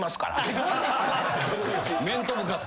・面と向かって。